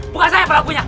bukan saya pelabunya